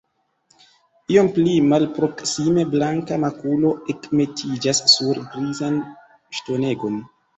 Iom pli malproksime, blanka makulo ekmetiĝas sur grizan ŝtonegon.